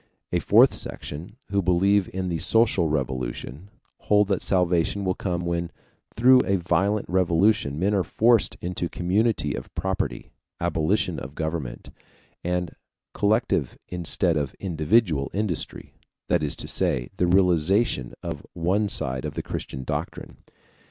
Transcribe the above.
A fourth section, who believe in the social revolution, hold that salvation will come when through a violent revolution men are forced into community of property, abolition of government, and collective instead of individual industry that is to say, the realization of one side of the Christian doctrine.